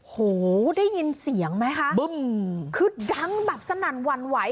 โหได้ยินเสียงไหมคะคือดังแบบสนั่นหวั่นไหว